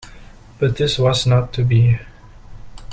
But this was not to be.